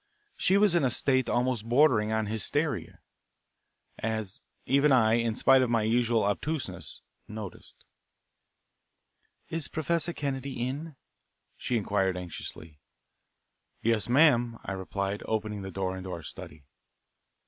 She was in a state almost bordering on hysteria, as even I, in spite of my usual obtuseness, noticed. "Is Professor Kennedy in?" she inquired anxiously. "Yes, ma'am;" I replied, opening the door into our study.